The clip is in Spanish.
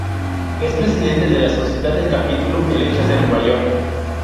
Es Presidente de la Sociedad del Capítulo Helechos de Nueva York